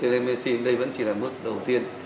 thì đây mới xin đây vẫn chỉ là mức đầu tiên